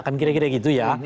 kan kira kira gitu ya